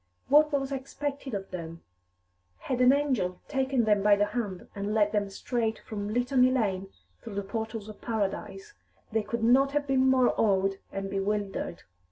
What was expected of them? Had an angel taken them by te hand and led them straight from Litany Lane through the portals of paradise, they could not have been more awed and bewildered.